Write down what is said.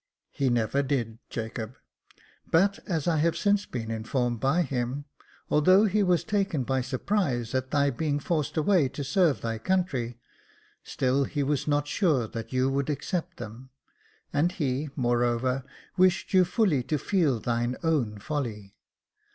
"He never did, Jacob; but as I have since been in formed by him, although he was taken by surprise at thy being forced away to serve thy country, still he was not sure that you would accept them ; and he, moreover, wished you fully to feel thine own folly.